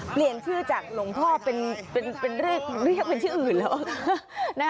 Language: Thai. เปลี่ยนชื่อจากหลวงพ่อเป็นเรียกเป็นชื่ออื่นแล้ว